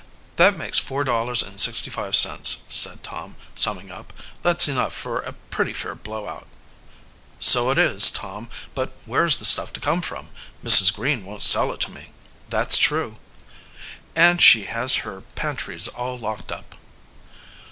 "That makes four dollars and sixty five cents," said Tom, summing up. "That's enough for a pretty fair blow out." "So it is, Tom, but where is the stuff to come from? Mrs. Green won't sell it to me." "That's true." "And she has her pantries all locked up."